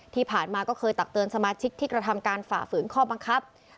ที่ผ่านมาก็เคยตักเตือนสมาชิกที่กระทำการฝ่าฝืนข้อบังคับ